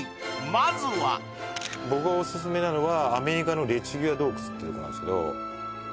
まずは僕がオススメなのはアメリカのレチュギア洞窟っていうとこなんですけど